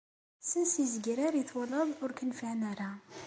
Sens izegrar i twalaḍ ur k-nfiεen ara.